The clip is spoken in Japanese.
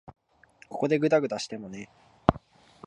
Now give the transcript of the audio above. ここでぐだぐだしてもね。